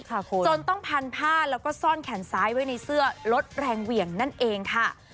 จนต้องพันผ้าแล้วก็ซ่อนแขนซ้ายไว้ในเสื้อลดแรงเหวี่ยงนั่นเองค่ะ